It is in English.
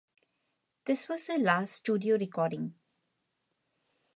This was their last studio recording.